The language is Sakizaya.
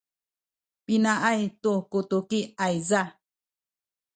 pinaay tu ku tuki ayza?